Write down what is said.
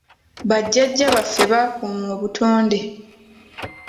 Ba jjajja baffe baakuuma obutonde.